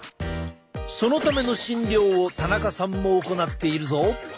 そのための診療を田中さんも行っているぞ。